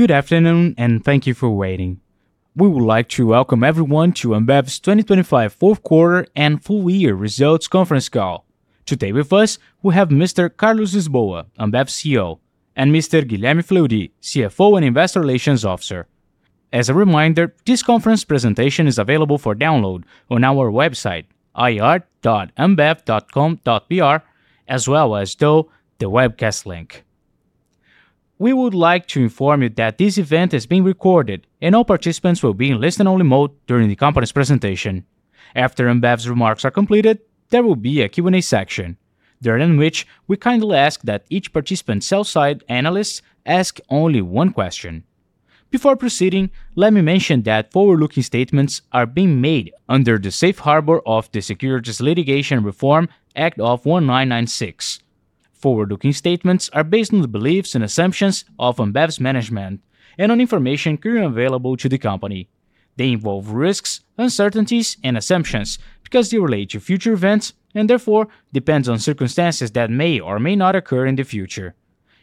Good afternoon, and thank you for waiting. We would like to welcome everyone to Ambev's 2025 Fourth Quarter and Full Year Results Conference Call. Today with us, we have Mr. Carlos Lisboa, Ambev's CEO, and Mr. Guilherme Fleury, CFO and Investor Relations Officer. As a reminder, this conference presentation is available for download on our website, ir.ambev.com.br, as well as through the webcast link. We would like to inform you that this event is being recorded, and all participants will be in listen-only mode during the company's presentation. After Ambev's remarks are completed, there will be a Q&A section, during which we kindly ask that each participant's sell side analysts ask only one question. Before proceeding, let me mention that forward-looking statements are being made under the safe harbor of the Securities Litigation Reform Act of 1996. Forward-looking statements are based on the beliefs and assumptions of Ambev's management and on information currently available to the company. They involve risks, uncertainties and assumptions because they relate to future events, and therefore depends on circumstances that may or may not occur in the future.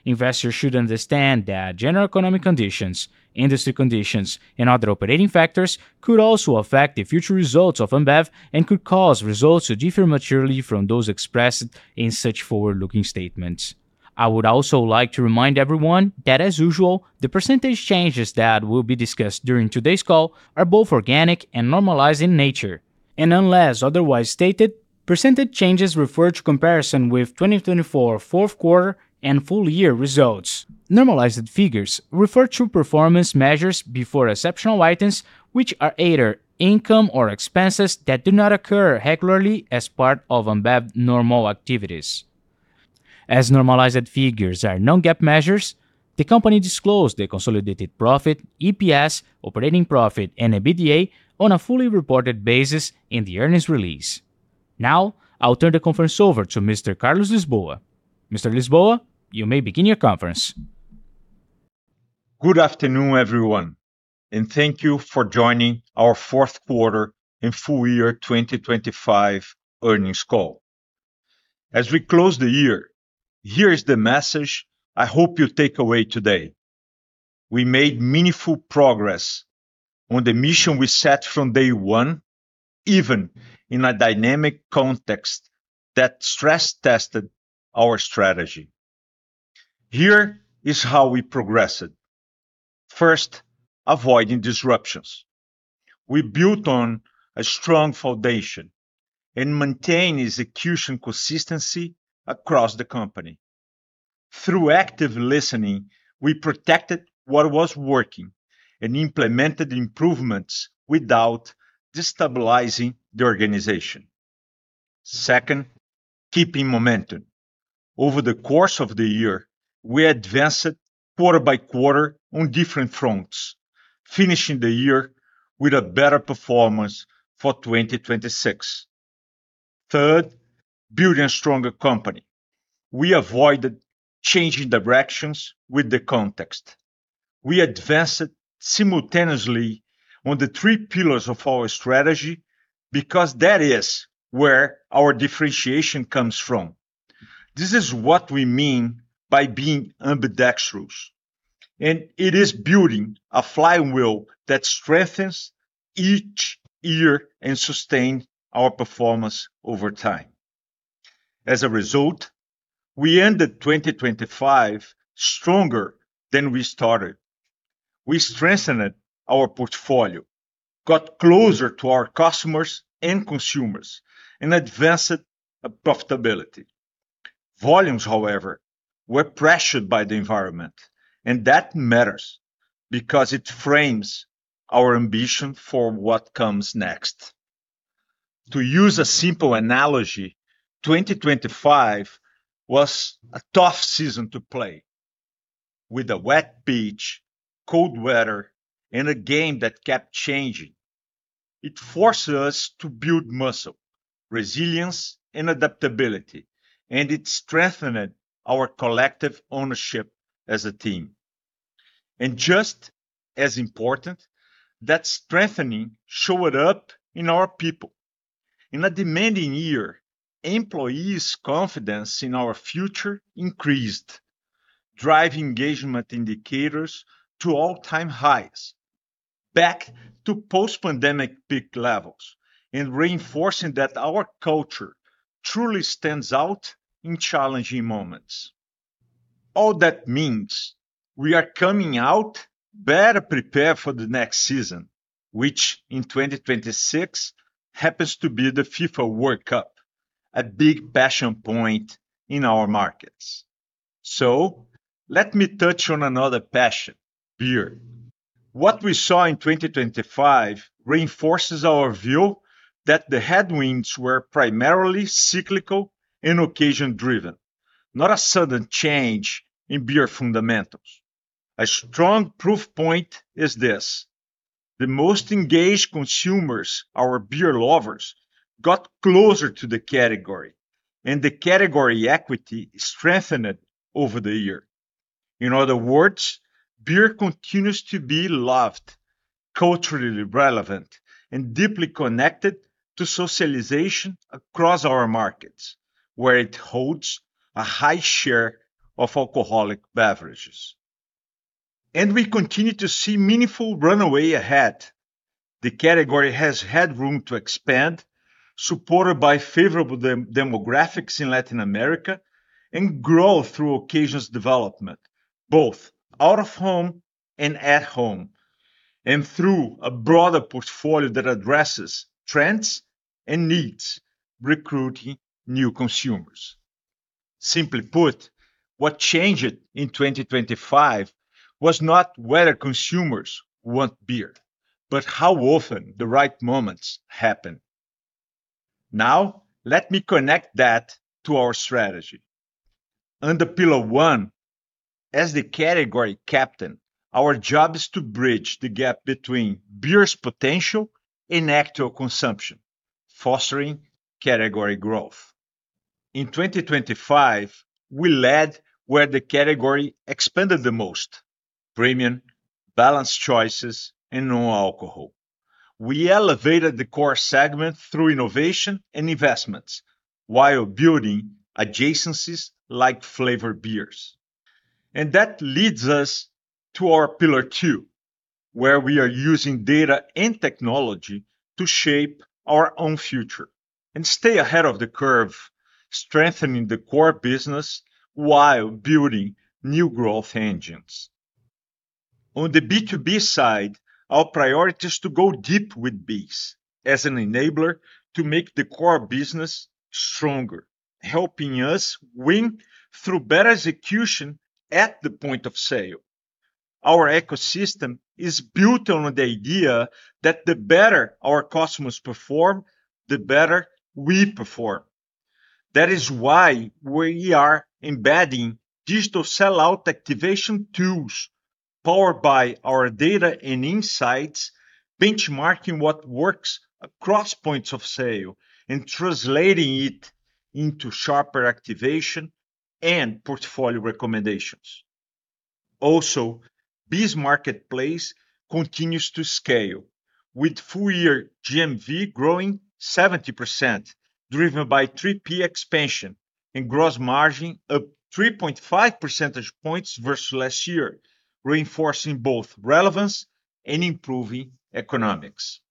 Investors should understand that general economic conditions, industry conditions, and other operating factors could also affect the future results of Ambev and could cause results to differ materially from those expressed in such forward-looking statements. I would also like to remind everyone that, as usual, the percentage changes that will be discussed during today's call are both organic and normalized in nature, and unless otherwise stated, percentage changes refer to comparison with 2024 fourth quarter and full year results. Normalized figures refer to performance measures before exceptional items, which are either income or expenses that do not occur regularly as part of Ambev normal activities. As normalized figures are non-GAAP measures, the company disclosed the consolidated profit, EPS, operating profit, and EBITDA on a fully reported basis in the earnings release. Now, I'll turn the conference over to Mr. Carlos Lisboa. Mr. Lisboa, you may begin your conference. Good afternoon, everyone, and thank you for joining our fourth quarter and full year 2025 earnings call. As we close the year, here is the message I hope you take away today: We made meaningful progress on the mission we set from day one, even in a dynamic context that stress-tested our strategy. Here is how we progressed. First, avoiding disruptions. We built on a strong foundation and maintained execution consistency across the company. Through active listening, we protected what was working and implemented improvements without destabilizing the organization. Second, keeping momentum. Over the course of the year, we advanced quarter by quarter on different fronts, finishing the year with a better performance for 2026. Third, building a stronger company. We avoided changing directions with the context. We advanced simultaneously on the three pillars of our strategy, because that is where our differentiation comes from. This is what we mean by being ambidextrous, and it is building a flywheel that strengthens each year and sustain our performance over time. As a result, we ended 2025 stronger than we started. We strengthened our portfolio, got closer to our customers and consumers, and advanced profitability. Volumes, however, were pressured by the environment, and that matters because it frames our ambition for what comes next. To use a simple analogy, 2025 was a tough season to play. With a wet pitch, cold weather, and a game that kept changing, it forced us to build muscle, resilience, and adaptability, and it strengthened our collective ownership as a team. Just as important, that strengthening showed up in our people. In a demanding year, employees' confidence in our future increased, driving engagement indicators to all-time highs, back to post-pandemic peak levels, and reinforcing that our culture truly stands out in challenging moments. All that means we are coming out better prepared for the next season, which in 2026 happens to be the FIFA World Cup, a big passion point in our markets. So let me touch on another passion, beer. What we saw in 2025 reinforces our view that the headwinds were primarily cyclical and occasion-driven, not a sudden change in beer fundamentals. A strong proof point is this: the most engaged consumers, our beer lovers, got closer to the category, and the category equity strengthened over the year. In other words, beer continues to be loved, culturally relevant and deeply connected to socialization across our markets, where it holds a high share of alcoholic beverages. We continue to see meaningful runway ahead. The category has headroom to expand, supported by favorable demographics in Latin America, and grow through occasions development, both out of home and at home, and through a broader portfolio that addresses trends and needs, recruiting new consumers. Simply put, what changed in 2025 was not whether consumers want beer, but how often the right moments happen. Now, let me connect that to our strategy. Under pillar one, as the category captain, our job is to bridge the gap between beer's potential and actual consumption, fostering category growth. In 2025, we led where the category expanded the most: premium, balanced choices, and non-alcoholic. We elevated the core segment through innovation and investments, while building adjacencies like flavored beers. That leads us to our pillar two, where we are using data and technology to shape our own future and stay ahead of the curve, strengthening the core business while building new growth engines. On the B2B side, our priority is to go deep with BEES as an enabler to make the core business stronger, helping us win through better execution at the point of sale. Our ecosystem is built on the idea that the better our customers perform, the better we perform. That is why we are embedding digital sellout activation tools powered by our data and insights, benchmarking what works across points of sale, and translating it into sharper activation and portfolio recommendations. Also, BEES Marketplace continues to scale, with full-year GMV growing 70%, driven by 3P expansion and gross margin up 3.5 percentage points versus last year, reinforcing both relevance and improving economics.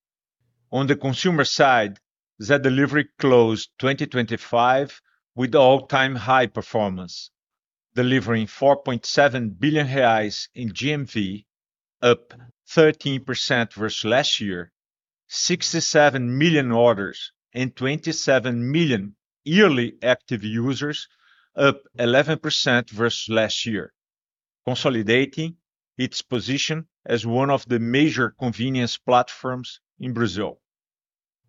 On the consumer side, Zé Delivery closed 2025 with all-time high performance, delivering 4.7 billion reais in GMV, up 13% versus last year, 67 million orders and 27 million yearly active users, up 11% versus last year, consolidating its position as one of the major convenience platforms in Brazil.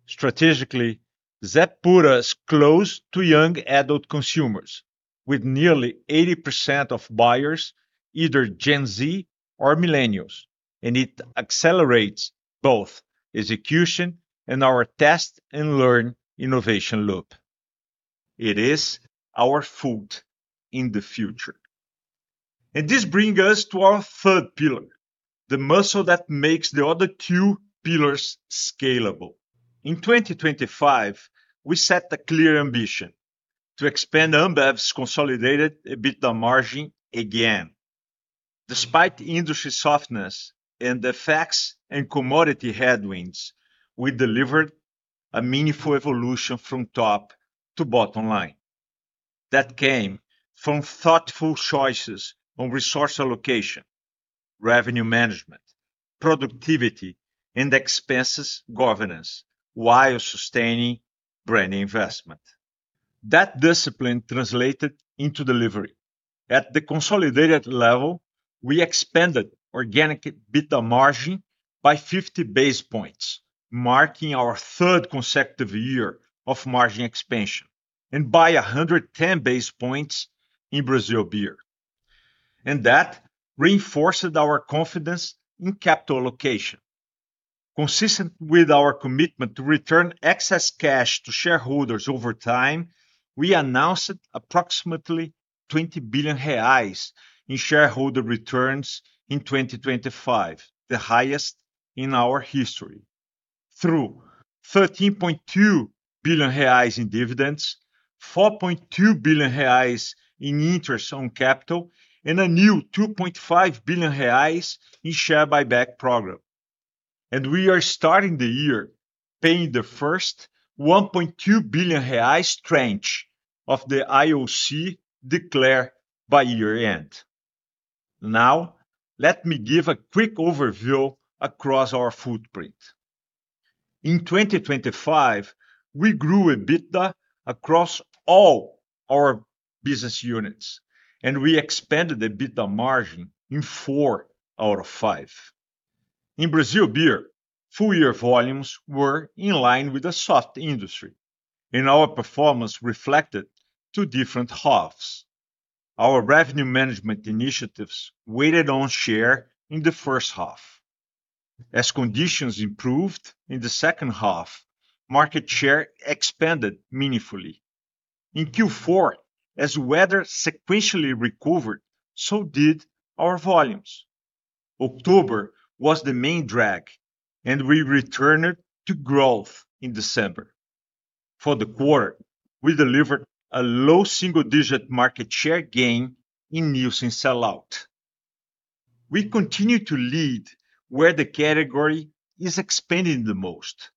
Strategically, Zé put us close to young adult consumers, with nearly 80% of buyers, either Gen Z or millennials, and it accelerates both execution and our test and learn innovation loop. It is our foot in the future. And this bring us to our third pillar, the muscle that makes the other two pillars scalable. In 2025, we set a clear ambition: to expand Ambev's consolidated EBITDA margin again. Despite industry softness and the effects and commodity headwinds, we delivered a meaningful evolution from top to bottom line. That came from thoughtful choices on resource allocation, revenue management, productivity, and expenses governance, while sustaining brand investment. That discipline translated into delivery. At the consolidated level, we expanded organic EBITDA margin by 50 basis points, marking our third consecutive year of margin expansion, and by 110 basis points in Brazil Beer, and that reinforced our confidence in capital allocation. Consistent with our commitment to return excess cash to shareholders over time, we announced approximately 20 billion reais in shareholder returns in 2025, the highest in our history, through 13.2 billion reais in dividends, 4.2 billion reais in interest on capital, and a new 2.5 billion reais share buyback program. We are starting the year paying the first 1.2 billion reais tranche of the IOC declared by year-end. Now, let me give a quick overview across our footprint. In 2025, we grew EBITDA across all our business units, and we expanded EBITDA margin in 4/5. In Brazil Beer, full-year volumes were in line with a soft industry, and our performance reflected two different halves. Our revenue management initiatives weighed on share in the first half. As conditions improved in the second half, market share expanded meaningfully in Q4, as weather sequentially recovered, so did our volumes. October was the main drag, and we returned to growth in December. For the quarter, we delivered a low single-digit market share gain in Nielsen sell out. We continue to lead where the category is expanding the most.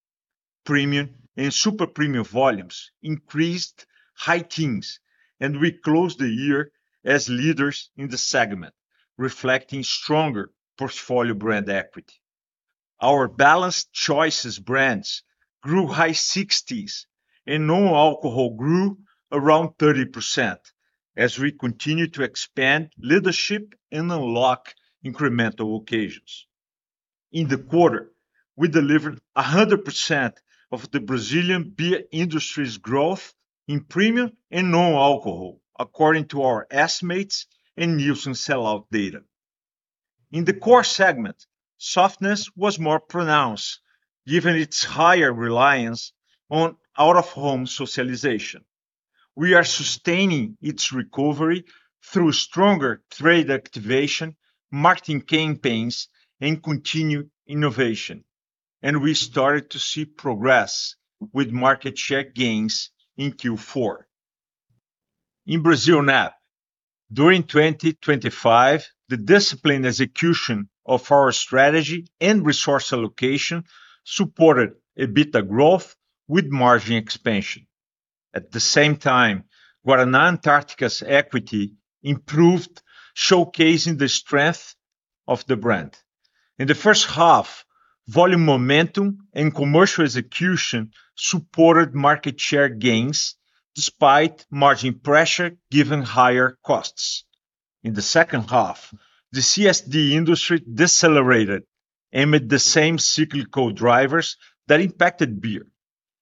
Premium and super premium volumes increased high teens, and we closed the year as leaders in the segment, reflecting stronger portfolio brand equity. Our balanced choices brands grew high 60s, and non-alcohol grew around 30%, as we continue to expand leadership and unlock incremental occasions. In the quarter, we delivered 100% of the Brazilian beer industry's growth in premium and non-alcohol, according to our estimates and Nielsen sell out data. In the core segment, softness was more pronounced, given its higher reliance on out-of-home socialization. We are sustaining its recovery through stronger trade activation, marketing campaigns, and continued innovation, and we started to see progress with market share gains in Q4. In Brazil NAB, during 2025, the disciplined execution of our strategy and resource allocation supported an EBITDA growth with margin expansion. At the same time, Guaraná Antarctica's equity improved, showcasing the strength of the brand. In the first half, volume, momentum, and commercial execution supported market share gains, despite margin pressure, given higher costs. In the second half, the CSD industry decelerated amid the same cyclical drivers that impacted beer,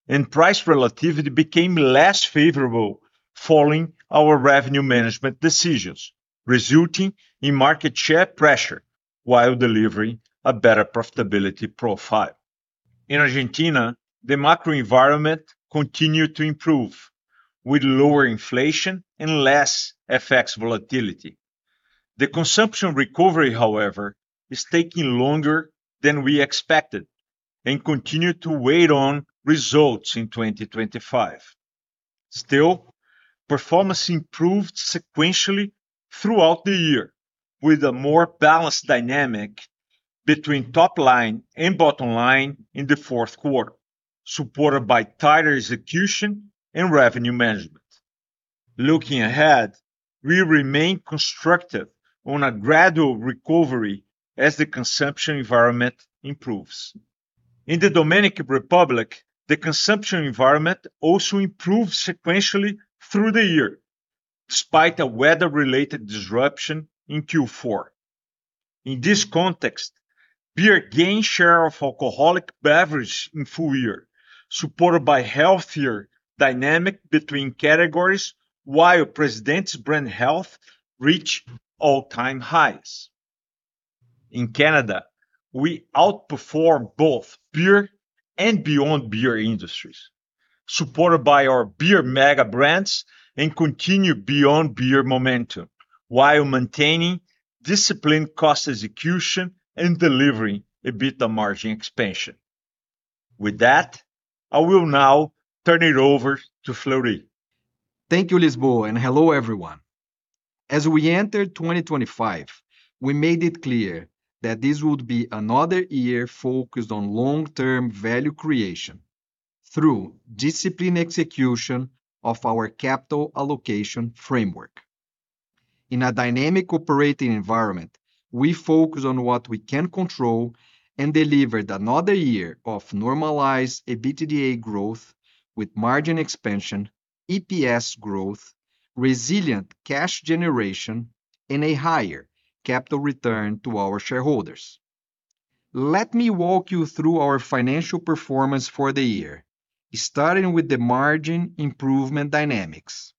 and price relativity became less favorable following our revenue management decisions, resulting in market share pressure while delivering a better profitability profile. In Argentina, the macro environment continued to improve, with lower inflation and less FX volatility. The consumption recovery, however, is taking longer than we expected and continued to weigh on results in 2025. Still, performance improved sequentially throughout the year, with a more balanced dynamic between top line and bottom line in the fourth quarter, supported by tighter execution and revenue management. Looking ahead, we remain constructive on a gradual recovery as the consumption environment improves. In the Dominican Republic, the consumption environment also improved sequentially through the year, despite a weather-related disruption in Q4. In this context, beer gained share of alcoholic beverage in full year, supported by healthier dynamic between categories, while Presidente's brand health reached all-time highs. In Canada, we outperformed both beer and beyond beer industries, supported by our beer mega brands and continued beyond beer momentum, while maintaining disciplined cost execution and delivering EBITDA margin expansion. With that, I will now turn it over to Fleury. Thank you, Lisboa, and hello, everyone. As we entered 2025, we made it clear that this would be another year focused on long-term value creation through disciplined execution of our capital allocation framework. In a dynamic operating environment, we focus on what we can control and delivered another year of normalized EBITDA growth with margin expansion, EPS growth, resilient cash generation, and a higher capital return to our shareholders. Let me walk you through our financial performance for the year, starting with the margin improvement dynamics.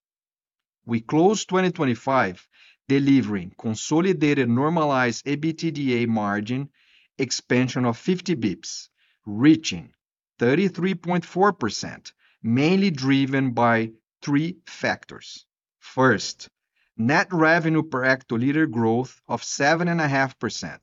We closed 2025 delivering consolidated normalized EBITDA margin expansion of 50 basis points, reaching 33.4%, mainly driven by three factors. First, net revenue per hectoliter growth of 7.5%,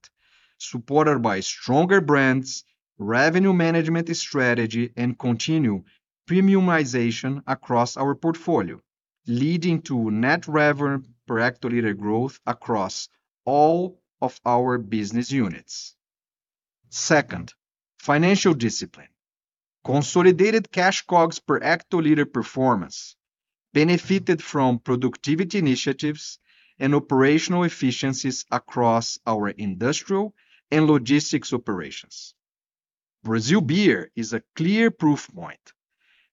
supported by stronger brands, revenue management strategy, and continued premiumization across our portfolio, leading to net revenue per hectoliter growth across all of our business units. Second, financial discipline. Consolidated cash COGS per hectoliter performance benefited from productivity initiatives and operational efficiencies across our industrial and logistics operations. Brazil Beer is a clear proof point.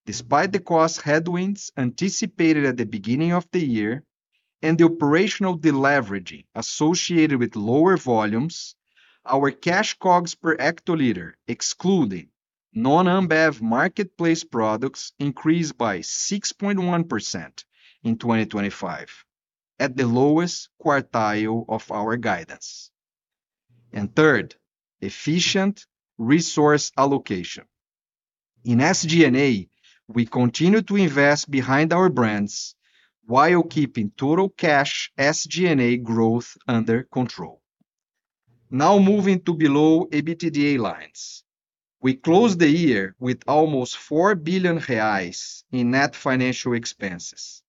Despite the cost headwinds anticipated at the beginning of the year and the operational deleveraging associated with lower volumes, our cash COGS per hectoliter, excluding non-Ambev marketplace products, increased by 6.1% in 2025, at the lowest quartile of our guidance. And third, efficient resource allocation. In SG&A, we continue to invest behind our brands while keeping total cash SG&A growth under control. Now moving to below EBITDA lines. We closed the year with almost 4 billion reais in net financial expenses,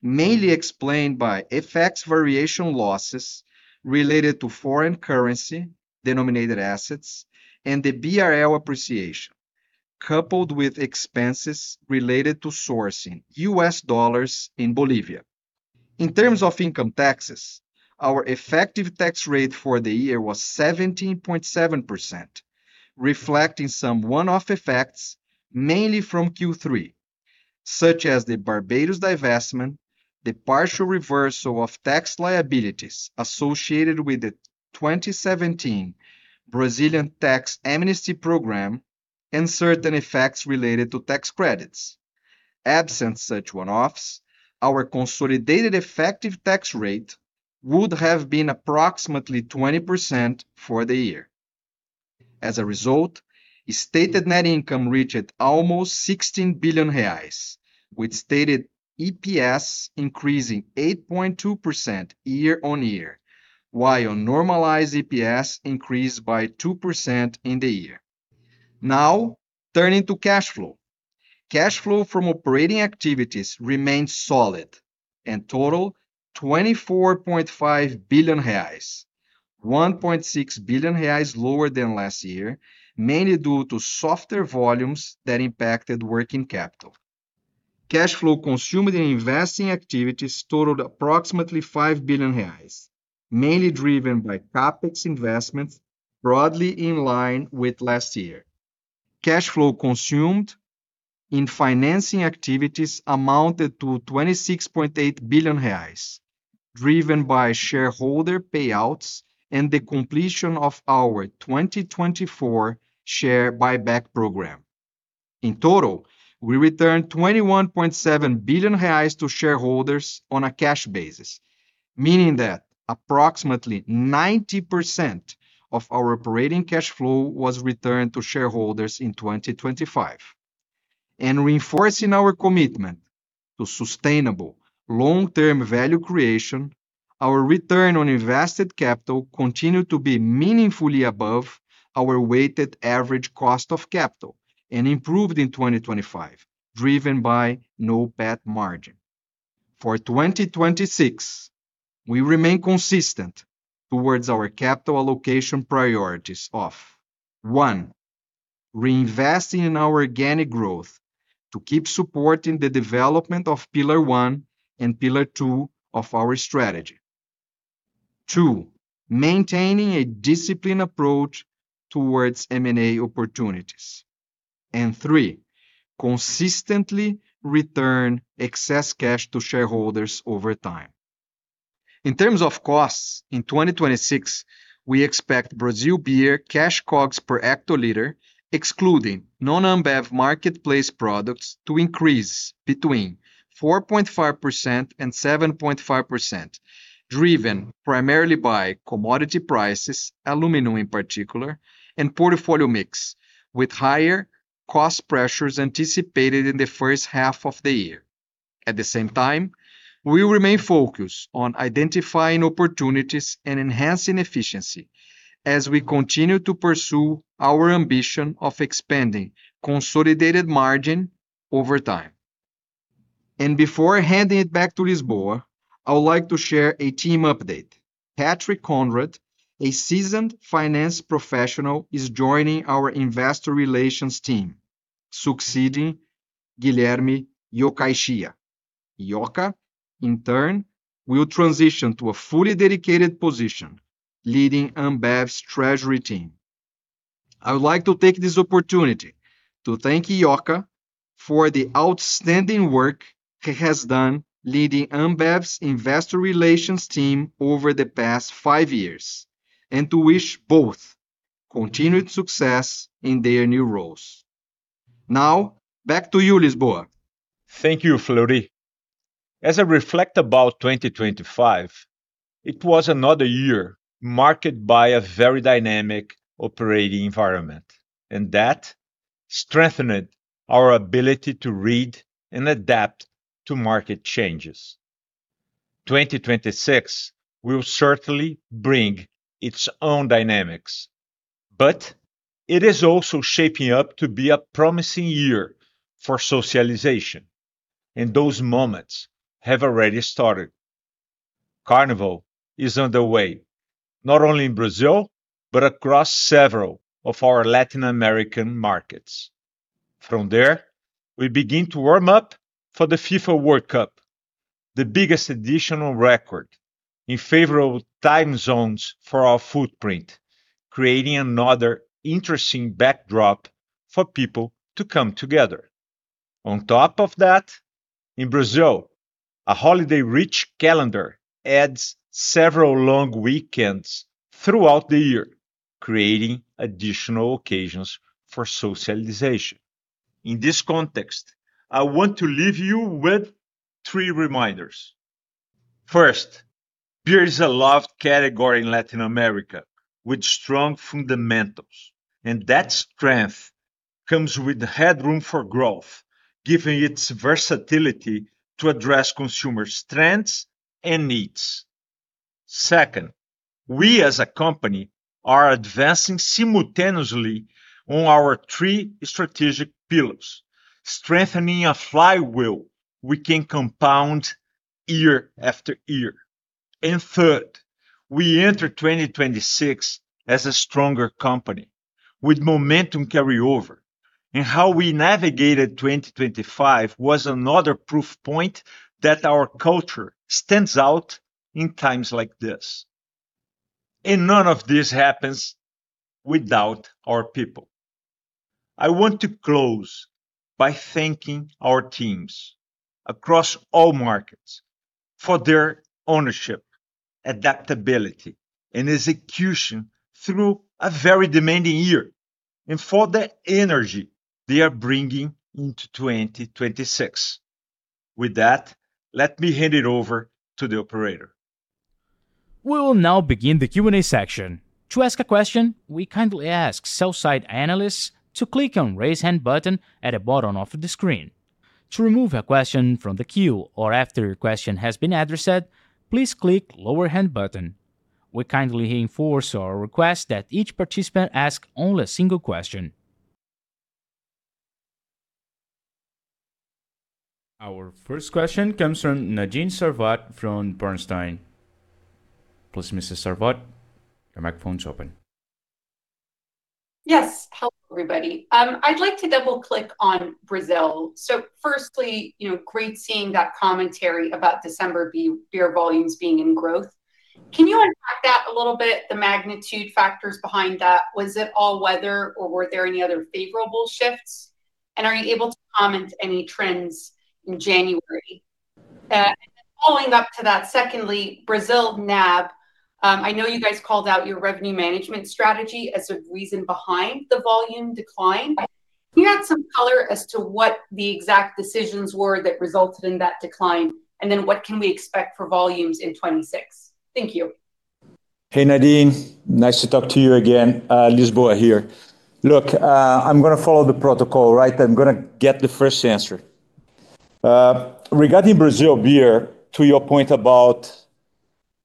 mainly explained by FX variation losses related to foreign currency denominated assets, and the BRL appreciation, coupled with expenses related to sourcing U.S. dollars in Bolivia. In terms of income taxes, our effective tax rate for the year was 17.7%, reflecting some one-off effects, mainly from Q3, such as the Barbados divestment, the partial reversal of tax liabilities associated with the 2017 Brazilian tax amnesty program, and certain effects related to tax credits. Absent such one-offs, our consolidated effective tax rate would have been approximately 20% for the year. As a result, stated net income reached almost 16 billion reais, with stated EPS increasing 8.2% year-on-year, while normalized EPS increased by 2% in the year. Now, turning to cash flow. Cash flow from operating activities remained solid and total 24.5 billion reais, 1.6 billion reais lower than last year, mainly due to softer volumes that impacted working capital. Cash flow consumed in investing activities totaled approximately 5 billion reais, mainly driven by CapEx investments, broadly in line with last year. Cash flow consumed in financing activities amounted to 26.8 billion reais, driven by shareholder payouts and the completion of our 2024 share buyback program. In total, we returned 21.7 billion reais to shareholders on a cash basis, meaning that approximately 90% of our operating cash flow was returned to shareholders in 2025. And reinforcing our commitment to sustainable long-term value creation, our return on invested capital continued to be meaningfully above our weighted average cost of capital and improved in 2025, driven by NOPAT margin. For 2026, we remain consistent towards our capital allocation priorities of, one, reinvesting in our organic growth to keep supporting the development of pillar 1 and pillar 2 of our strategy. Two, maintaining a disciplined approach towards M&A opportunities. And three, consistently return excess cash to shareholders over time. In terms of costs, in 2026, we expect Brazil Beer cash COGS per hectoliter, excluding non-Ambev marketplace products, to increase between 4.5% and 7.5%, driven primarily by commodity prices, aluminum in particular, and portfolio mix, with higher cost pressures anticipated in the first half of the year. At the same time, we remain focused on identifying opportunities and enhancing efficiency as we continue to pursue our ambition of expanding consolidated margin over time. And before handing it back to Lisboa, I would like to share a team update. Patrick Conrad, a seasoned finance professional, is joining our investor relations team, succeeding Guilherme Yokaichiya. Yoka, in turn, will transition to a fully dedicated position, leading Ambev's treasury team. I would like to take this opportunity to thank Yoka for the outstanding work he has done leading Ambev's Investor Relations team over the past five years, and to wish both continued success in their new roles. Now, back to you, Lisboa. Thank you, Fleury. As I reflect about 2025, it was another year marked by a very dynamic operating environment, and that strengthened our ability to read and adapt to market changes. 2026 will certainly bring its own dynamics, but it is also shaping up to be a promising year for socialization, and those moments have already started. Carnival is underway, not only in Brazil, but across several of our Latin American markets. From there, we begin to warm up for the FIFA World Cup, the biggest edition on record in favorable time zones for our footprint, creating another interesting backdrop for people to come together. On top of that, in Brazil, a holiday-rich calendar adds several long weekends throughout the year, creating additional occasions for socialization. In this context, I want to leave you with three reminders. First, beer is a loved category in Latin America with strong fundamentals, and that strength comes with the headroom for growth, giving its versatility to address consumer strengths and needs. Second, we as a company are advancing simultaneously on our three strategic pillars, strengthening a flywheel we can compound year after year. And third, we enter 2026 as a stronger company with momentum carryover, and how we navigated 2025 was another proof point that our culture stands out in times like this. And none of this happens without our people. I want to close by thanking our teams across all markets for their ownership, adaptability, and execution through a very demanding year, and for the energy they are bringing into 2026. With that, let me hand it over to the operator. We will now begin the Q&A section. To ask a question, we kindly ask sell-side analysts to click on Raise Hand button at the bottom of the screen. To remove a question from the queue or after your question has been addressed, please click Lower Hand button. We kindly reinforce our request that each participant ask only a single question. Our first question comes from Nadine Sarwat from Bernstein. Please, Mrs. Sarwat, your microphone's open. Yes. Hello, everybody. I'd like to double-click on Brazil. So firstly, you know, great seeing that commentary about December beer, beer volumes being in growth. Can you unpack that a little bit, the magnitude factors behind that? Was it all weather, or were there any other favorable shifts? And are you able to comment any trends in January? Following up to that, secondly, Brazil NAB. I know you guys called out your revenue management strategy as a reason behind the volume decline. Can you add some color as to what the exact decisions were that resulted in that decline, and then what can we expect for volumes in 2026? Thank you. Hey, Nadine, nice to talk to you again. Lisboa here. Look, I'm gonna follow the protocol, right? I'm gonna get the first answer. Regarding Brazil Beer, to your point about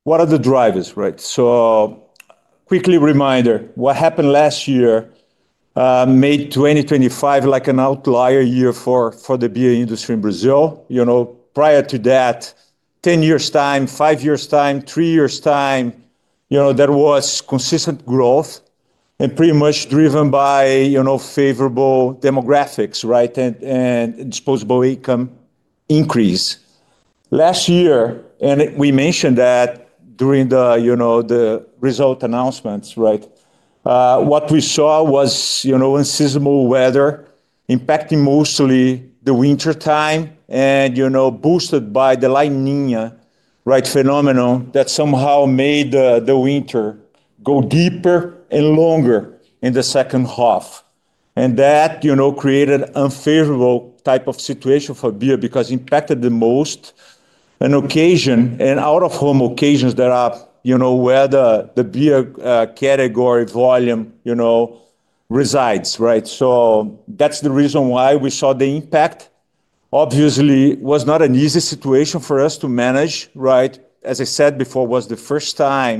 what are the drivers, right? So quickly reminder, what happened last year made 2025 like an outlier year for the beer industry in Brazil. You know, prior to that, 10 years time, 5 years time, 3 years time, you know, there was consistent growth and pretty much driven by, you know, favorable demographics, right? And disposable income increase. Last year, and we mentioned that during the, you know, the result announcements, right, what we saw was, you know, inclement weather impacting mostly the wintertime and, you know, boosted by the La Niña, right, phenomenon that somehow made the winter go deeper and longer in the second half. And that, you know, created unfavorable type of situation for beer because impacted the most an occasion, an out-of-home occasions that are, you know, where the, the beer, category volume, you know, resides, right? So that's the reason why we saw the impact. Obviously, was not an easy situation for us to manage, right? As I said before, it was the first time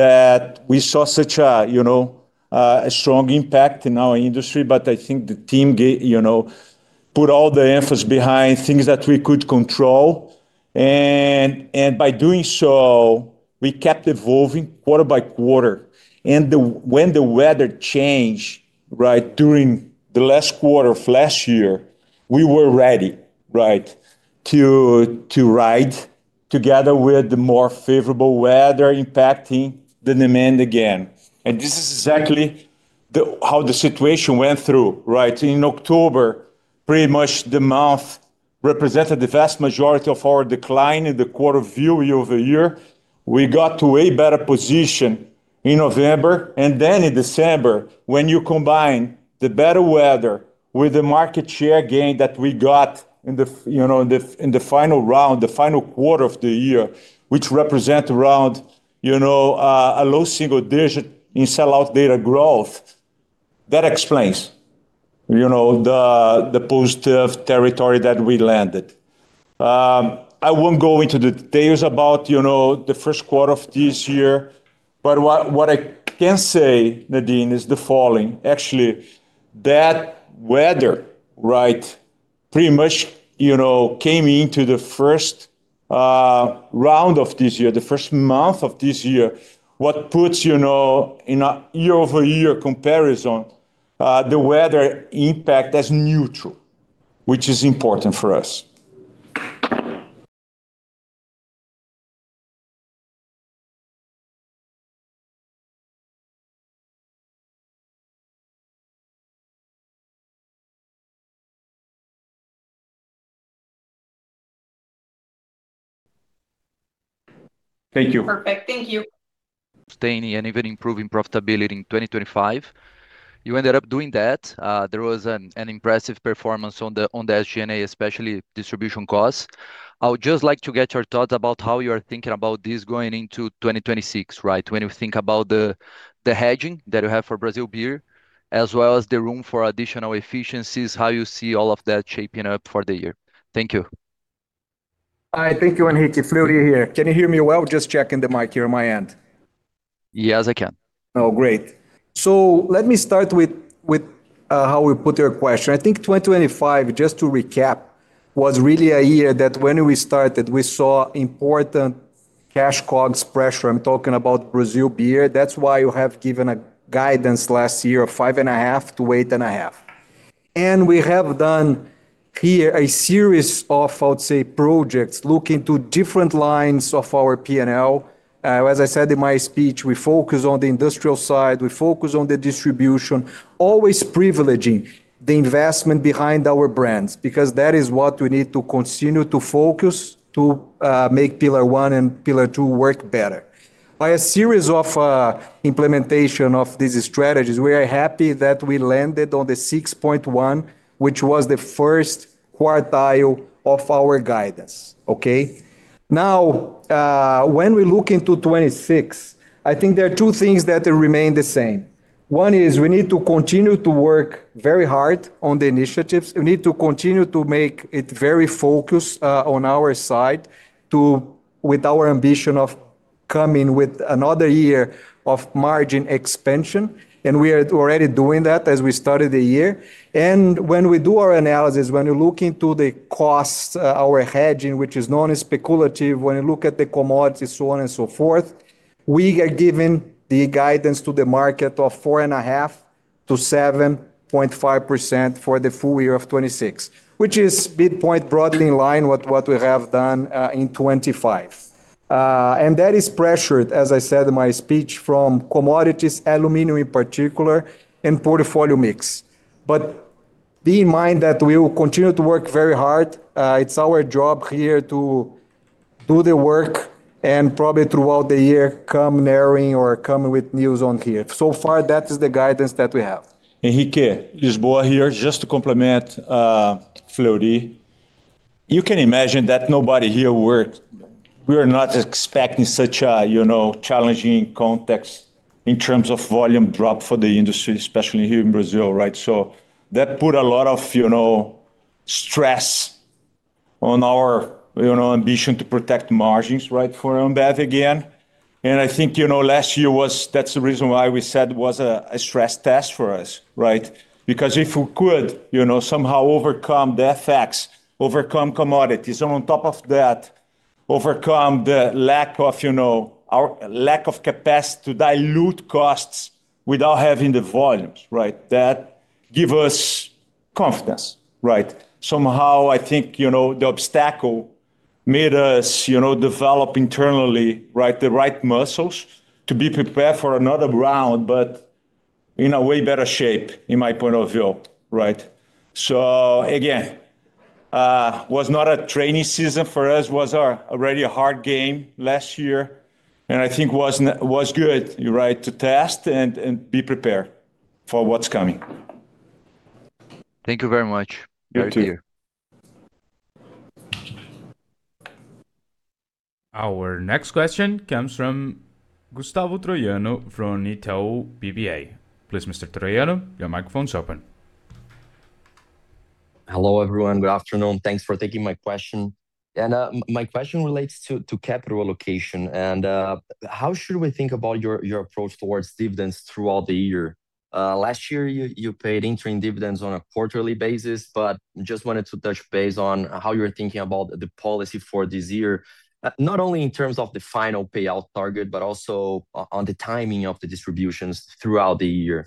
that we saw such a, you know, a strong impact in our industry. But I think the team, you know, put all the emphasis behind things that we could control. And by doing so, we kept evolving quarter by quarter. And when the weather changed, right, during the last quarter of last year, we were ready, right, to ride together with the more favorable weather impacting the demand again. And this is exactly how the situation went through, right? In October, pretty much the month represented the vast majority of our decline in the quarter, year over year. We got to a better position in November, and then in December, when you combine the better weather with the market share gain that we got in the—you know, in the, in the final round, the final quarter of the year, which represent around, you know, a low single digit in sellout data growth, that explains, you know, the, the positive territory that we landed. I won't go into the details about, you know, the first quarter of this year, but what, what I can say, Nadine, is the following: actually, that weather, right, pretty much, you know, came into the first round of this year, the first month of this year. What puts, you know, in a year-over-year comparison, the weather impact as neutral, which is important for us. Thank you. Perfect. Thank you. Sustaining and even improving profitability in 2025. You ended up doing that. There was an impressive performance on the SG&A, especially distribution costs. I would just like to get your thoughts about how you are thinking about this going into 2026, right? When you think about the hedging that you have for Brazil Beer, as well as the room for additional efficiencies, how you see all of that shaping up for the year? Thank you. Hi. Thank you, Henrique. Fleury here. Can you hear me well? Just checking the mic here on my end. Yes, I can. Oh, great. So let me start with how we put your question. I think 2025, just to recap, was really a year that when we started, we saw important Cash COGS pressure. I'm talking about Brazil beer. That's why you have given a guidance last year of 5.5%-8.5%. And we have done here a series of, I would say, projects, looking to different lines of our P&L. As I said in my speech, we focus on the industrial side, we focus on the distribution, always privileging the investment behind our brands, because that is what we need to continue to focus to make pillar one and pillar two work better. By a series of implementation of these strategies, we are happy that we landed on the 6.1, which was the first quartile of our guidance. Okay? Now, when we look into 2026, I think there are two things that remain the same. One is we need to continue to work very hard on the initiatives. We need to continue to make it very focused on our side to with our ambition of coming with another year of margin expansion, and we are already doing that as we started the year. When we do our analysis, when you look into the costs, our hedging, which is known as speculative, when you look at the commodities, so on and so forth, we are giving the guidance to the market of 4.5%-7.5% for the full year of 2026, which is midpoint broadly in line with what we have done, in 2025. That is pressured, as I said in my speech, from commodities, aluminum in particular, and portfolio mix. But bear in mind that we will continue to work very hard. It's our job here to do the work and probably throughout the year, come narrowing or come with news on here. So far, that is the guidance that we have. Henrique, Lisboa here, just to complement, Fleury. You can imagine that nobody here worked. We were not expecting such a, you know, challenging context in terms of volume drop for the industry, especially here in Brazil, right? So that put a lot of, you know, stress on our, you know, ambition to protect margins, right, for Ambev again. And I think, you know, last year was, that's the reason why we said it was a stress test for us, right? Because if we could, you know, somehow overcome the effects, overcome commodities, and on top of that, overcome the lack of, you know, our lack of capacity to dilute costs without having the volumes, right? That give us confidence, right? Somehow, I think, you know, the obstacle made us, you know, develop internally, right, the right muscles to be prepared for another round, but in a way better shape, in my point of view, right? So again, it was not a training season for us; it was already a hard game last year, and I think it was good, you're right, to test and be prepared for what's coming. Thank you very much. You too. Our next question comes from Gustavo Troiano from Itaú BBA. Please, Mr. Troiano, your microphone's open. Hello, everyone. Good afternoon. Thanks for taking my question. My question relates to capital allocation, and how should we think about your approach towards dividends throughout the year? Last year, you paid interim dividends on a quarterly basis, but just wanted to touch base on how you're thinking about the policy for this year, not only in terms of the final payout target, but also on the timing of the distributions throughout the year.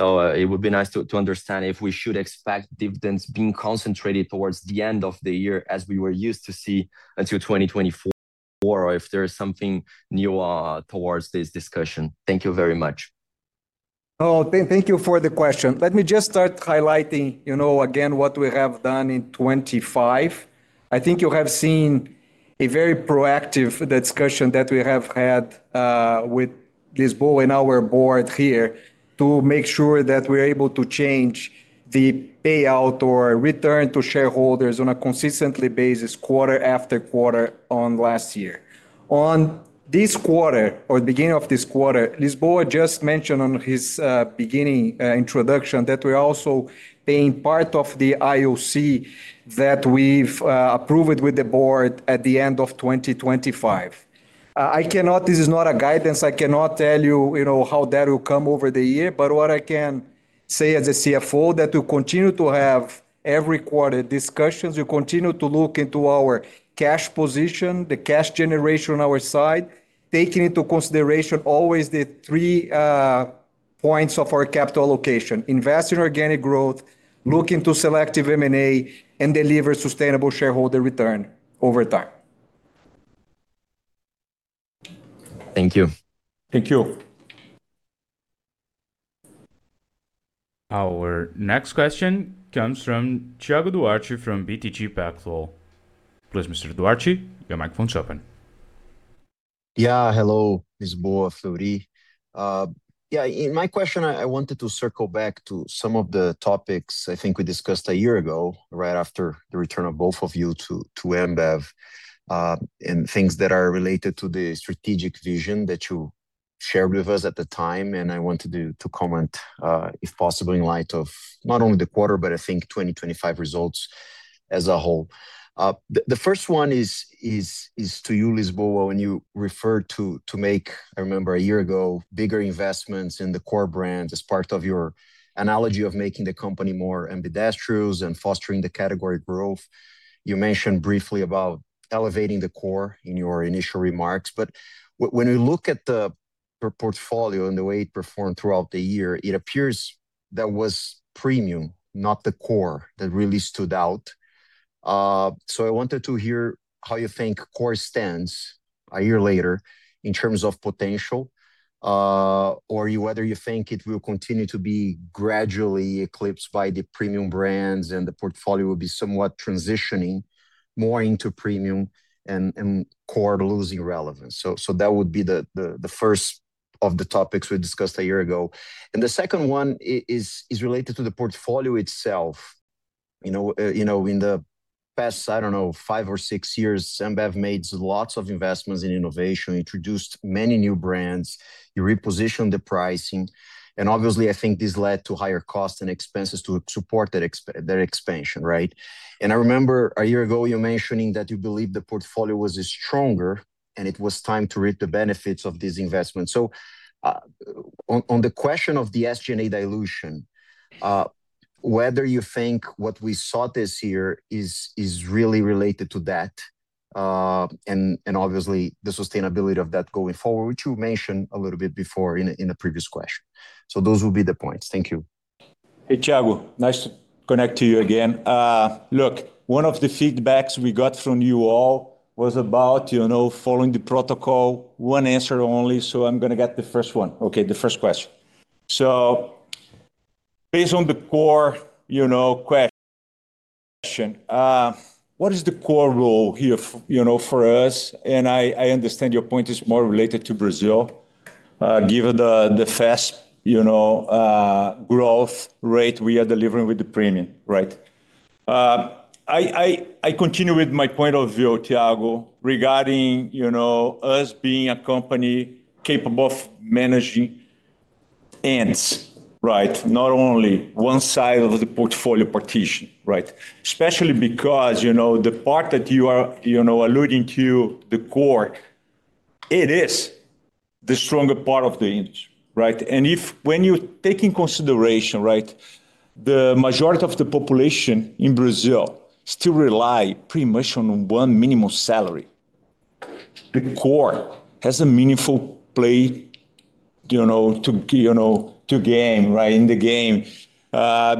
It would be nice to understand if we should expect dividends being concentrated towards the end of the year, as we were used to see until 2024, or if there is something new towards this discussion. Thank you very much. Oh, thank, thank you for the question. Let me just start highlighting, you know, again, what we have done in 2025. I think you have seen a very proactive discussion that we have had with Lisboa and our board here to make sure that we're able to change the payout or return to shareholders on a consistently basis, quarter after quarter on last year. On this quarter, or the beginning of this quarter, Lisboa just mentioned on his beginning introduction, that we're also being part of the IOC, that we've approved with the board at the end of 2025. I cannot--this is not a guidance, I cannot tell you, you know, how that will come over the year, but what I can say as a CFO, that we continue to have every quarter discussions. We continue to look into our cash position, the cash generation on our side, taking into consideration always the three points of our capital allocation: invest in organic growth, look into selective M&A, and deliver sustainable shareholder return over time. Thank you. Thank you. Our next question comes from Thiago Duarte from BTG Pactual. Please, Mr. Duarte, your microphone's open. Yeah, hello, Lisboa, Fleury. Yeah, in my question, I wanted to circle back to some of the topics I think we discussed a year ago, right after the return of both of you to Ambev, and things that are related to the strategic vision that you shared with us at the time. I wanted to comment, if possible, in light of not only the quarter, but I think 2025 results as a whole. The first one is to you, Lisboa, when you referred to make, I remember a year ago, bigger investments in the core brands as part of your analogy of making the company more ambidextrous and fostering the category growth. You mentioned briefly about elevating the core in your initial remarks, but when we look at the beer portfolio and the way it performed throughout the year, it appears that was premium, not the core, that really stood out. So I wanted to hear how you think core stands a year later in terms of potential, or whether you think it will continue to be gradually eclipsed by the premium brands, and the portfolio will be somewhat transitioning more into premium and core losing relevance. So that would be the first of the topics we discussed a year ago. And the second one is related to the portfolio itself. You know, you know, in the past, I don't know, five or six years, Ambev made lots of investments in innovation, introduced many new brands, you repositioned the pricing, and obviously, I think this led to higher costs and expenses to support that expansion, right? And I remember a year ago, you mentioning that you believe the portfolio was stronger, and it was time to reap the benefits of this investment. So, on the question of the SG&A dilution, whether you think what we saw this year is really related to that, and obviously, the sustainability of that going forward, which you mentioned a little bit before in a previous question. So those will be the points. Thank you. Hey, Thiago, nice to connect to you again. Look, one of the feedbacks we got from you all was about, you know, following the protocol, one answer only, so I'm gonna get the first one. Okay, the first question. So based on the core, you know, question, what is the core role here, you know, for us? And I continue with my point of view, Thiago, regarding, you know, us being a company capable of managing ends, right? Not only one side of the portfolio partition, right? Especially because, you know, the part that you are, you know, alluding to, the core, it is the stronger part of the image, right? And if, when you take in consideration, right, the majority of the population in Brazil still rely pretty much on one minimum salary. The core has a meaningful play, you know, to gain, right, in the game,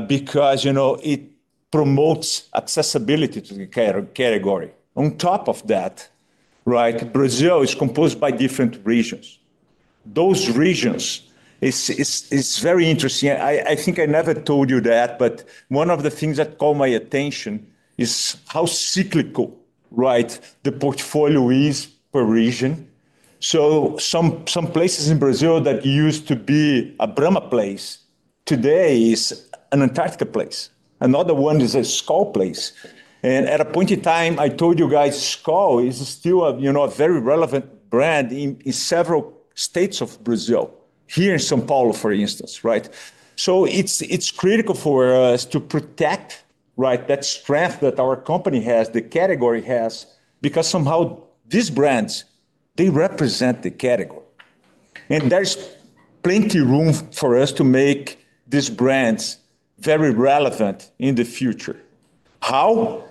because, you know, it promotes accessibility to the category. On top of that, right, Brazil is composed by different regions. Those regions, it's very interesting. I think I never told you that, but one of the things that caught my attention is how cyclical, right, the portfolio is per region. So some places in Brazil that used to be a Brahma place, today is an Antarctica place. Another one is a Skol place. And at a point in time, I told you guys, Skol is still a, you know, a very relevant brand in several states of Brazil. Here in São Paulo, for instance, right? So it's critical for us to protect, right, that strength that our company has, the category has, because somehow these brands, they represent the category. And there's plenty room for us to make these brands very relevant in the future. How?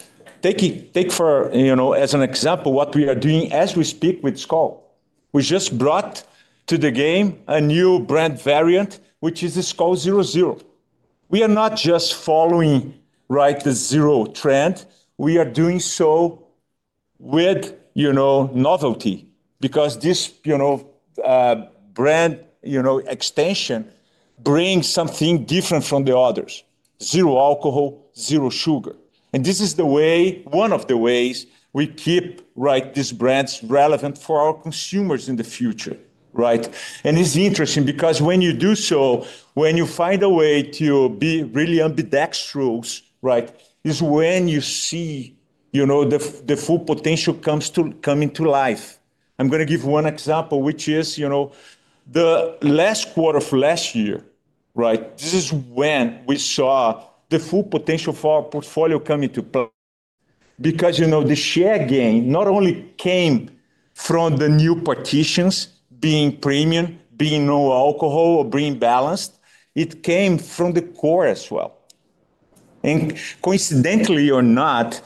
Take for, you know, as an example, what we are doing as we speak with Skol. We just brought to the game a new brand variant, which is the Skol Zero Zero. We are not just following, right, the zero trend, we are doing so with, you know, novelty, because this, you know, brand, you know, extension brings something different from the others: zero alcohol, zero sugar. And this is the way, one of the ways we keep, right, these brands relevant for our consumers in the future, right? It's interesting because when you do so, when you find a way to be really ambidextrous, right, is when you see, you know, the full potential coming to life. I'm gonna give one example, which is, you know, the last quarter of last year, right? This is when we saw the full potential for our portfolio coming to play. Because, you know, the share gain not only came from the new positions, being premium, being no alcohol, or being balanced, it came from the core as well. And coincidentally or not,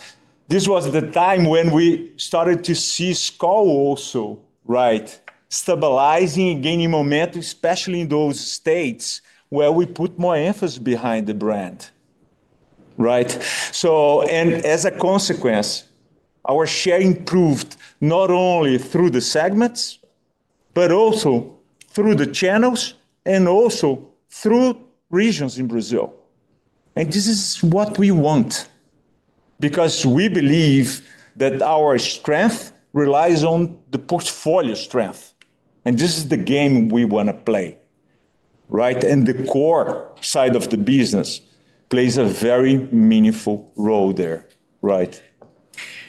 this was the time when we started to see Skol also, right, stabilizing and gaining momentum, especially in those states where we put more emphasis behind the brand, right? So, and as a consequence, our share improved not only through the segments, but also through the channels, and also through regions in Brazil. This is what we want, because we believe that our strength relies on the portfolio strength, and this is the game we wanna play, right? The core side of the business plays a very meaningful role there, right?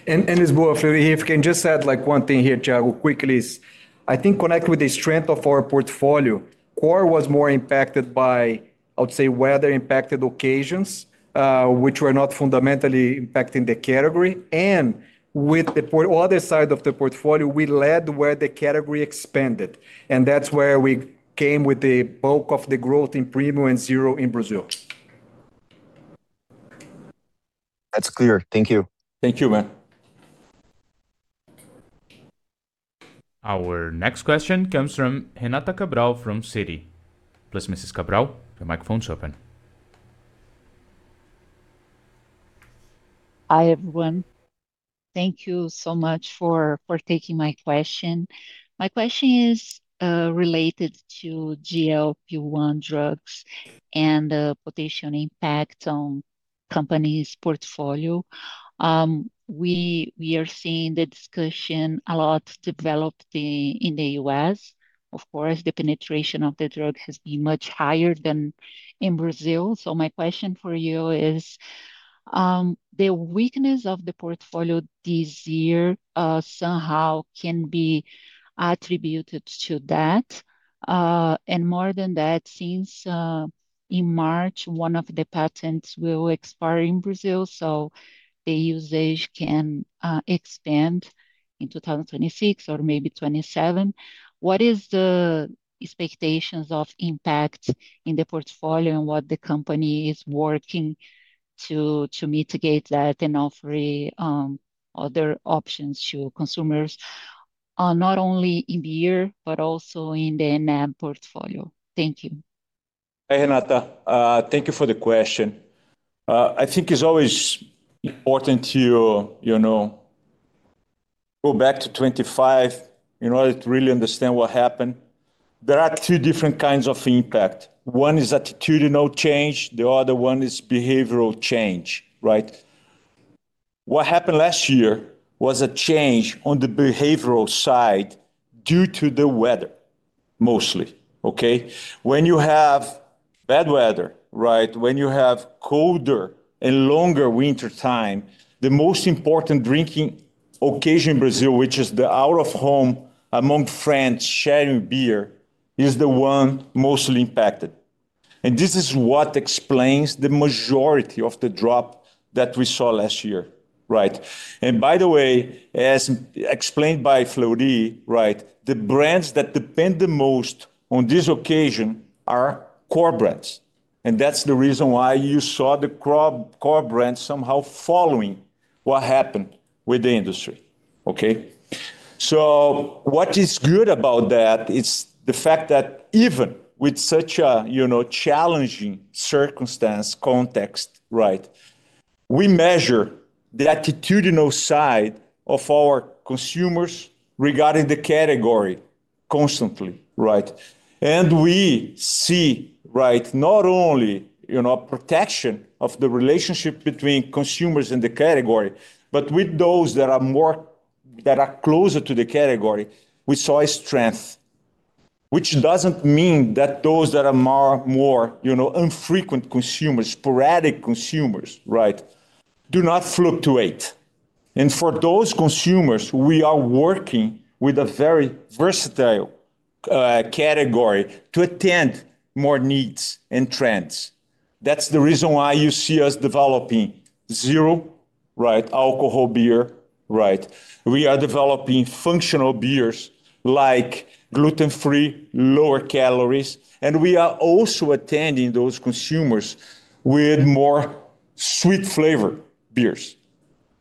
As well, if we can just add like one thing here, Thiago, quickly is, I think connected with the strength of our portfolio, core was more impacted by, I would say, weather-impacted occasions, which were not fundamentally impacting the category. And with the other side of the portfolio, we led where the category expanded, and that's where we came with the bulk of the growth in premium and zero in Brazil. That's clear. Thank you. Thank you, man. Our next question comes from Renata Cabral from Citi. Please, Mrs. Cabral, your microphone's open. Hi, everyone. Thank you so much for taking my question. My question is related to GLP-1 drugs and the potential impact on the company's portfolio. We are seeing the discussion a lot developed in the U.S. Of course, the penetration of the drug has been much higher than in Brazil. So my question for you is, the weakness of the portfolio this year somehow can be attributed to that? And more than that, since in March, one of the patents will expire in Brazil, so the usage can expand in 2026 or maybe 2027. What is the expectations of impact in the portfolio and what the company is working to mitigate that and offer other options to consumers, not only in beer, but also in the NAB portfolio? Thank you. Hey, Renata, thank you for the question. I think it's always important to, you know, go back to 2025 in order to really understand what happened. There are two different kinds of impact. One is attitudinal change, the other one is behavioral change, right? What happened last year was a change on the behavioral side due to the weather, mostly, okay? When you have bad weather, right, when you have colder and longer wintertime, the most important drinking occasion in Brazil, which is the out-of-home, among friends, sharing beer, is the one mostly impacted. And this is what explains the majority of the drop that we saw last year, right? And by the way, as explained by Fleury, right, the brands that depend the most on this occasion are core brands, and that's the reason why you saw the core brands somehow following what happened with the industry, okay? So what is good about that is the fact that even with such a, you know, challenging circumstance, context, right, we measure the attitudinal side of our consumers regarding the category constantly, right? And we see, right, not only, you know, protection of the relationship between consumers and the category, but with those that are more, that are closer to the category, we saw a strength, which doesn't mean that those that are more, more, you know, infrequent consumers, sporadic consumers, right, do not fluctuate. And for those consumers, we are working with a very versatile category to attend more needs and trends. That's the reason why you see us developing zero, right, alcohol beer, right? We are developing functional beers like gluten-free, lower calories, and we are also attending those consumers with more sweet flavor beers,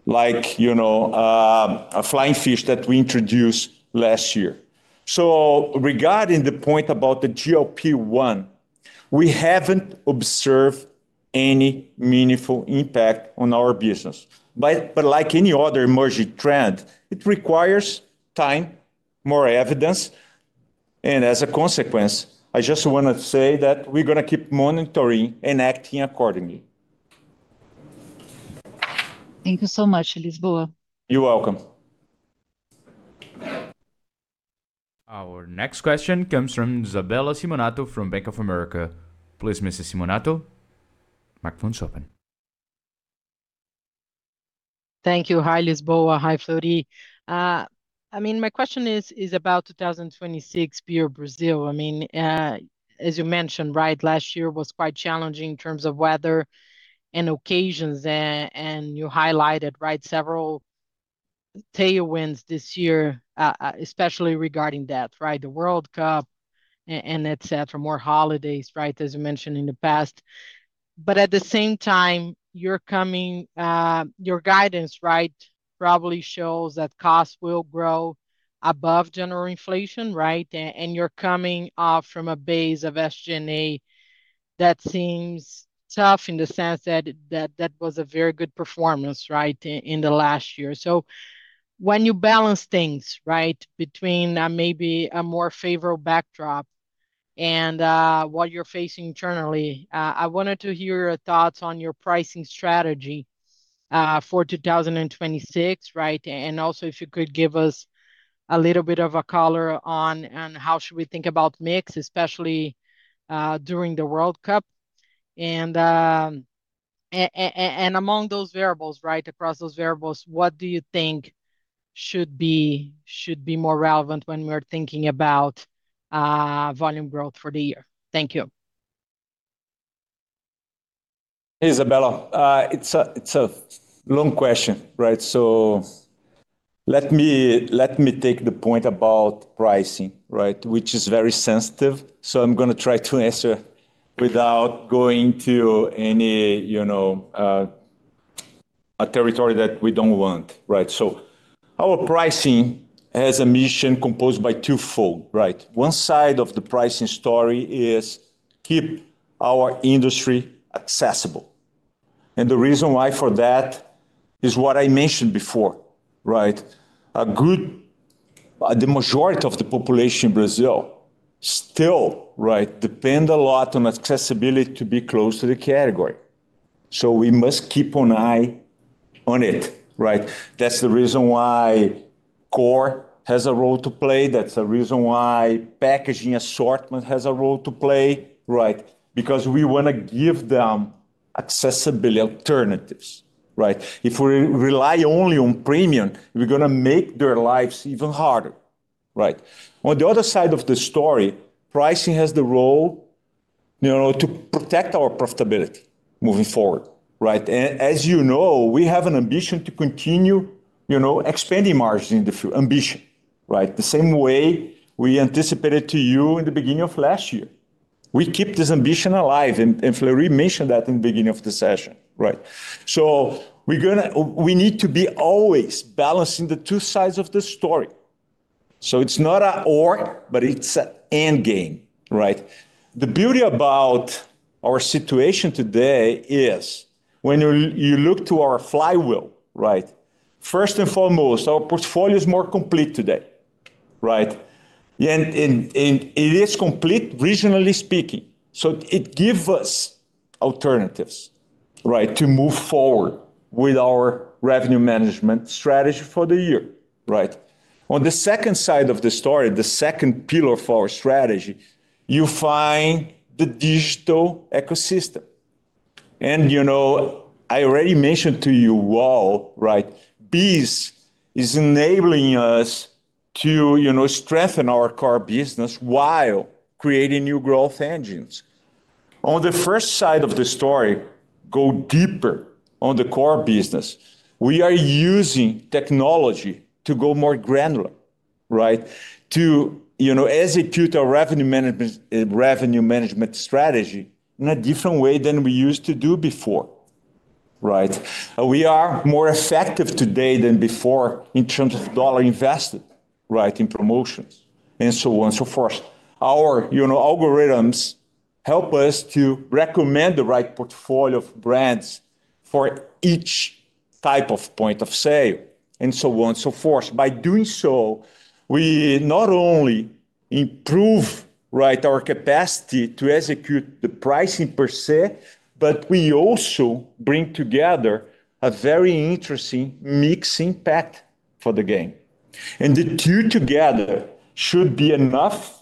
like, you know, a Flying Fish that we introduced last year. So regarding the point about the GLP-1, we haven't observed any meaningful impact on our business. But, but like any other emerging trend, it requires time, more evidence, and as a consequence, I just wanna say that we're gonna keep monitoring and acting accordingly. Thank you so much, Lisboa. You're welcome. Our next question comes from Isabella Simonato from Bank of America. Please, Mrs. Simonato, microphone's open. Thank you. Hi, Lisboa. Hi, Fleury. I mean, my question is about 2026 Beer Brazil. I mean, as you mentioned, right, last year was quite challenging in terms of weather and occasions, and you highlighted, right, several tailwinds this year, especially regarding that, right? The World Cup and et cetera, more holidays, right, as you mentioned in the past. But at the same time, you're coming--your guidance, right, probably shows that costs will grow above general inflation, right? And you're coming off from a base of SG&A that seems tough in the sense that that was a very good performance, right, in the last year. So when you balance things, right, between maybe a more favorable backdrop and what you're facing internally, I wanted to hear your thoughts on your pricing strategy for 2026, right? And also, if you could give us a little bit of a color on how should we think about mix, especially during the World Cup. And among those variables, right, across those variables, what do you think should be more relevant when we're thinking about volume growth for the year? Thank you. Isabella, it's a long question, right? So let me, let me take the point about pricing, right, which is very sensitive, so I'm gonna try to answer without going to any, you know, a territory that we don't want, right? So our pricing has a mission composed by twofold, right? One side of the pricing story is keep our industry accessible, and the reason why for that is what I mentioned before, right? A good--The majority of the population in Brazil still, right, depend a lot on accessibility to be close to the category, so we must keep an eye on it, right? That's the reason why core has a role to play. That's the reason why packaging assortment has a role to play, right? Because we wanna give them accessible alternatives, right? If we rely only on premium, we're gonna make their lives even harder, right? On the other side of the story, pricing has the role, you know, to protect our profitability moving forward, right? As you know, we have an ambition to continue, you know, expanding margins in the future. Ambition, right? The same way we anticipated to you in the beginning of last year. We keep this ambition alive, and Fleury mentioned that in the beginning of the session, right? So we're gonna... we need to be always balancing the two sides of the story, so it's not a or, but it's a end game, right? The beauty about our situation today is when you, you look to our flywheel, right, first and foremost, our portfolio is more complete today, right? And it is complete regionally speaking, so it give us alternatives, right, to move forward with our revenue management strategy for the year, right? On the second side of the story, the second pillar of our strategy, you find the digital ecosystem. And, you know, I already mentioned to you all, right, this is enabling us to, you know, strengthen our core business while creating new growth engines. On the first side of the story, go deeper on the core business. We are using technology to go more granular, right? To, you know, execute our revenue management, revenue management strategy in a different way than we used to do before, right? We are more effective today than before in terms of dollar invested, right, in promotions and so on and so forth. Our, you know, algorithms help us to recommend the right portfolio of brands for each type of point of sale, and so on and so forth. By doing so, we not only improve, right, our capacity to execute the pricing per se, but we also bring together a very interesting mix impact for the game. And the two together should be enough,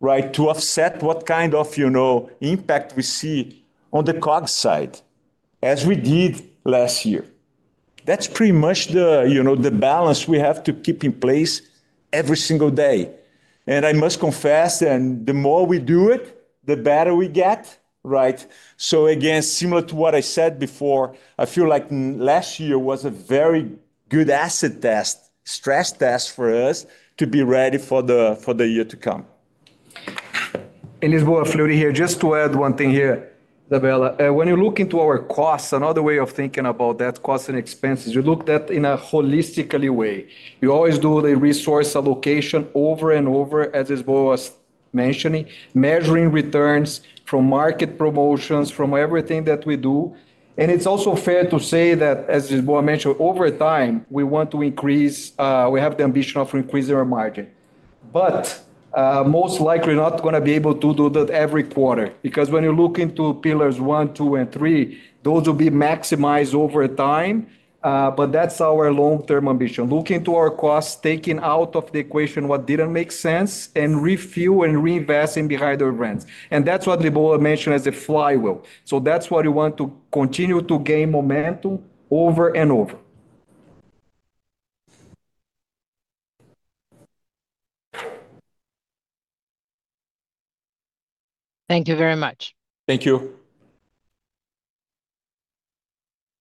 right, to offset what kind of, you know, impact we see on the COGS side, as we did last year. That's pretty much the, you know, the balance we have to keep in place every single day. And I must confess, and the more we do it, the better we get, right? So again, similar to what I said before, I feel like last year was a very good acid test, stress test for us to be ready for the year to come. It's Guilherme Fleury here. Just to add one thing here, Isabella. When you look into our costs, another way of thinking about that, costs and expenses, you look that in a holistically way. You always do the resource allocation over and over, as Boa was mentioning, measuring returns from market promotions, from everything that we do. It's also fair to say that, as Lisboa mentioned, over time, we want to increase. We have the ambition of increasing our margin. But, most likely not gonna be able to do that every quarter, because when you look into pillars 1, 2, and 3, those will be maximized over time, but that's our long-term ambition, looking to our costs, taking out of the equation what didn't make sense, and refuel and reinvesting behind our brands. That's what Lisboa mentioned as a flywheel, so that's what we want to continue to gain momentum over and over. Thank you very much. Thank you.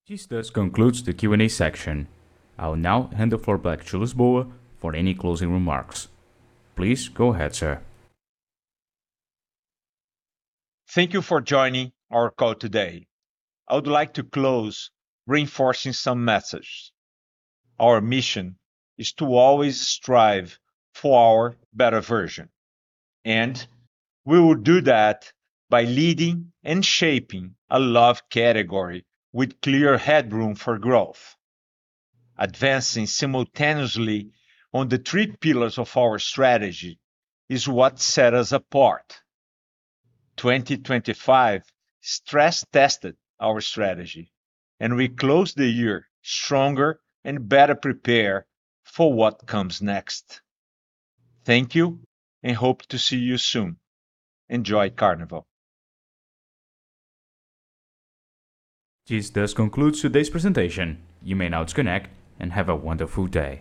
This thus concludes the Q&A section. I'll now hand the floor back to Lisboa for any closing remarks. Please go ahead, sir. Thank you for joining our call today. I would like to close reinforcing some messages. Our mission is to always strive for our better version, and we will do that by leading and shaping a love category with clear headroom for growth. Advancing simultaneously on the three pillars of our strategy is what set us apart. 2025 stress-tested our strategy, and we close the year stronger and better prepared for what comes next. Thank you, and hope to see you soon. Enjoy Carnival. This concludes today's presentation. You may now disconnect and have a wonderful day.